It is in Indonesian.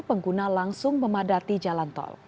pengguna langsung memadati jalan tol